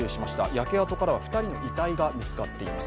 焼け跡からは２人の遺体が見つかっています。